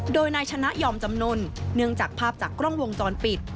โดยนายชนะยอมจำนวนเนื่องจากภาพจากกล้องวงจรปิด